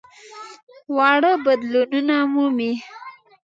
واړه بدلونونه مومي.